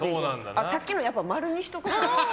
さっきの、やっぱ○にしとこ。